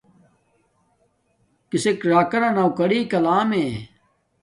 کسک راکانا نوکاریکا لیمے